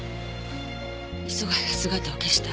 磯貝が姿を消した